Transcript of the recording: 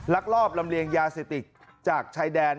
ลอบลำเลียงยาเสพติดจากชายแดน